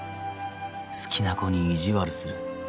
好きな子に意地悪する